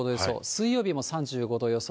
水曜日も３５度予想。